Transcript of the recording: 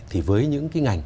thì với những cái ngành